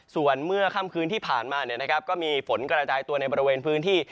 ส่วนเมื่อค่ำคืนที่ผ่านมาก็มีฝนกระจายตัวในบริเวณพื้นที่